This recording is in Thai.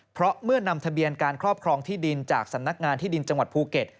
เพราะเมื่อนำทะเบียนการครอบครองที่ดินจากสำนักงานที่ดินจังหวัดภูเก็ต